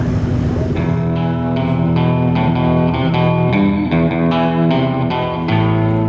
tidak ada yang bisa dianggap sebagai anak panah